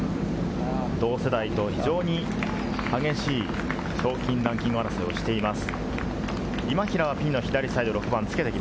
同世代と非常に激しい賞金ランキング争いをしています。